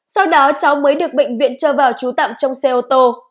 sau đó cháu mới được bệnh viện cho vào trú tạm trong xe ô tô